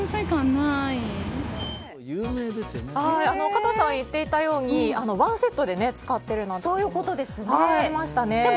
加藤さんが言っていたようにワンセットで使っているってことでしたね。